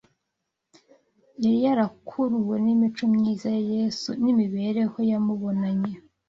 yari yarakuruwe n’imico myiza ya Yesu n’imibereho yamubonanye